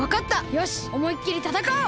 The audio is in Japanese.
よしおもいっきりたたかおう！